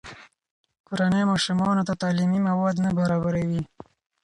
کورنۍ ماشومانو ته تعلیمي مواد نه برابروي.